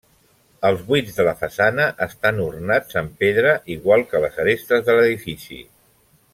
Els buits de la façana estan ornats amb pedra igual que les arestes de l'edifici.